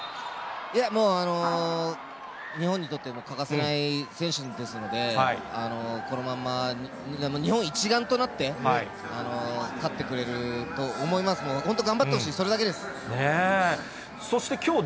いやもう、日本にとって欠かせない選手ですので、このまんま、日本一丸となって、勝ってくれると思います、本当、頑張ってほしい、それだけです。ねぇ。